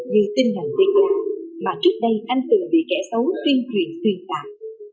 như tinh hành tinh hoàng mà trước đây anh từng bị kẻ xấu tuyên truyền tuyên tạp